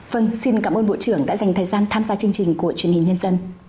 vâng xin cảm ơn bộ trưởng đã dành thời gian tham gia chương trình của truyền hình nhân dân